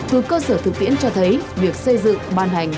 từ cơ sở thực tiễn cho thấy việc xây dựng ban hành